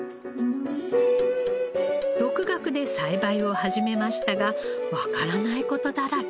独学で栽培を始めましたがわからない事だらけ。